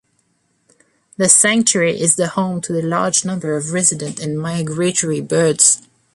The sanctuary is the home to the large number of resident and migratory birds.